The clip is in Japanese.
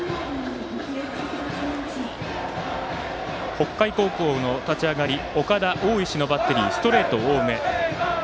北海高校の立ち上がり岡田、大石のバッテリーストレート多め。